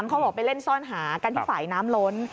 เขาบอกไปเล่นซ่อนหากันที่ฝ่ายน้ำล้น